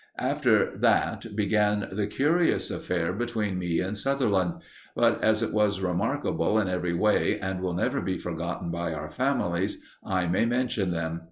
After that began the curious affair between me and Sutherland. But as it was remarkable in every way and will never be forgotten by our families, I may mention them.